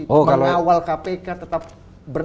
memang awal kpk tetap bernas